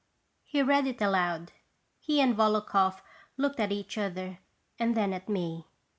He read it aloud. He and Volokhoff looked at each other and then at me.